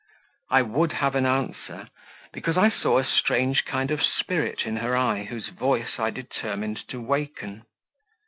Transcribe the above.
I would have an answer, because I saw a strange kind of spirit in her eye, whose voice I determined to waken.